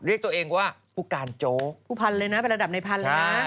เรียกตัวเองว่าผู้การโจ๊ก